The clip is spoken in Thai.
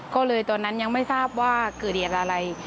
ก็เลยตอนนั้นยังไม่ทราบว่าเกิดเหตุอะไร